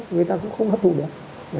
người ta cũng không hấp thụ được